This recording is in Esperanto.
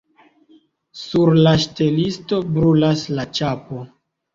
Sur la ŝtelisto brulas la ĉapo.